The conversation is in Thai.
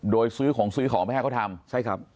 โดยซื้อของซื้อของไม่ให้เขาทำ